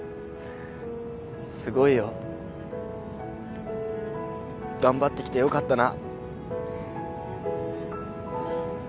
すごいよ。頑張ってきてよかったな。